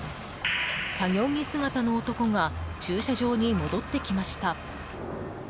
作業着姿の男が駐車場に戻ってきました。